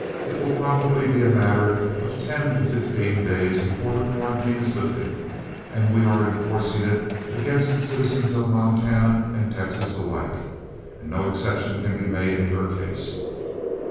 It will probably be a matter of ten to fifteen days before the quarantine is lifted, and we are enforcing it against citizens of Montana and Texas alike, and no exception can be made in your case."